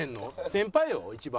先輩よ一番。